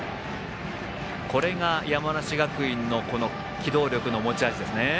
これが山梨学院の機動力の持ち味ですね。